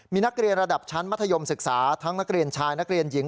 มีนักเรียนระดับชั้นมัธยมศึกษาทั้งนักเรียนชายนักเรียนหญิง